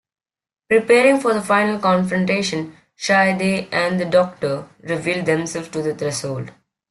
Preparing for the final confrontation, Shayde and the Doctor revealed themselves to the Threshold.